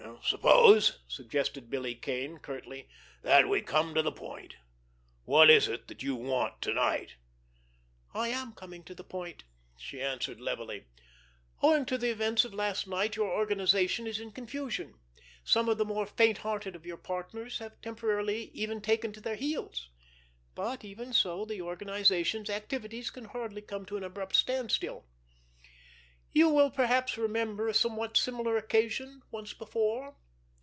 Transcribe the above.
"Suppose," suggested Billy Kane, curtly, "that we come to the point. What is it that you want to night?" "I am coming to the point," she answered levelly. "Owing to the events of last night your organization is in confusion, some of the more faint hearted of your partners have temporarily even taken to their heels; but, even so, the organization's activities can hardly come to an abrupt standstill. You will perhaps remember a somewhat similar occasion once before?